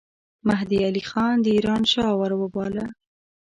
مهدي علي خان د ایران شاه وروباله.